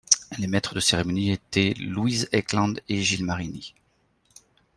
Les maîtres de cérémonie étaient Louise Ekland et Gilles Marini.